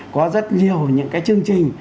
có rất nhiều những cái chương trình